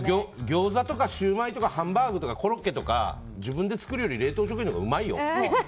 ギョーザとかシューマイとかハンバーグとかコロッケとか自分で作るより冷凍食品のほうが、うまいよ。